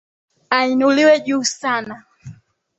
Ainuliwe juu sana.